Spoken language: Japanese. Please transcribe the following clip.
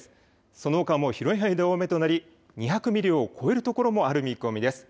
そのほかも広い範囲で大雨となり、２００ミリを超えるところもある見込みです。